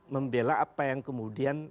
membela apa yang kemudian